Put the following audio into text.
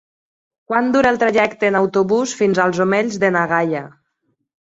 Quant dura el trajecte en autobús fins als Omells de na Gaia?